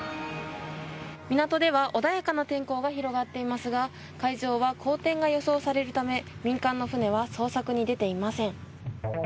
港では穏やかな天候が広がっていますが海上は荒天が予想されるため民間の船は捜索に出ていません。